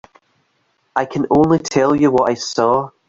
I can only tell you what I saw.